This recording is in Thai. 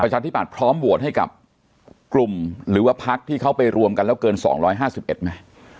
ประชาทธิปัตย์พร้อมโหวดให้กับกลุ่มหรือว่าพักที่เขาไปรวมกันแล้วเกินสองร้อยห้าสิบเอ็ดไหม